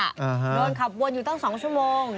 โดนขับวนอยู่ตั้งสองชั่วโมง